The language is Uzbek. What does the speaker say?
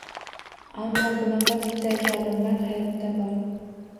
Ammo bunaqa tipdagi odamlar hayotda bor